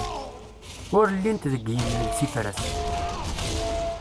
Ur llint deg yilel tifrat.